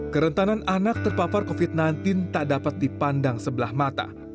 kerentanan anak terpapar covid sembilan belas tak dapat dipandang sebelah mata